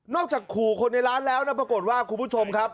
จากขู่คนในร้านแล้วนะปรากฏว่าคุณผู้ชมครับ